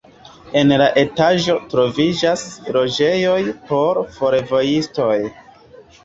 En la etaĝo troviĝas loĝejoj por fervojistoj.